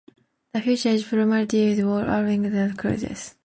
This feature is primarily for wood, allowing quick cuts.